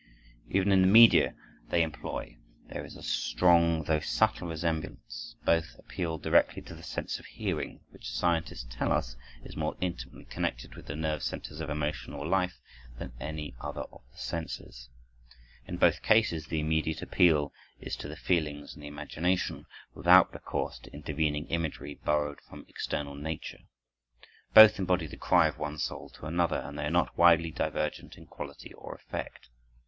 Even in the media they employ, there is a strong though subtle resemblance; both appeal directly to the sense of hearing, which scientists tell us is more intimately connected with the nerve centers of emotional life than any other of the senses. In both cases the immediate appeal is to the feelings and the imagination, without recourse to intervening imagery borrowed from external nature. Both embody the cry of one soul to another, and they are not widely divergent in quality or effect.